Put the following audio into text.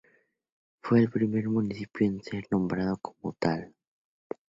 Fue el primer municipio en ser nombrado como tal.